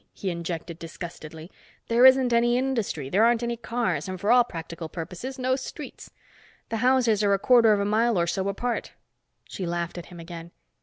he injected disgustedly. "There isn't any industry, there aren't any cars, and for all practical purposes, no streets. The houses are a quarter of a mile or so apart." She laughed at him again.